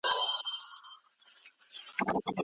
موږ بايد افراط او تفريط ونکړو.